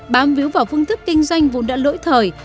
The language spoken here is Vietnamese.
bám víu vào phương thức kinh doanh vốn đã lỗi thời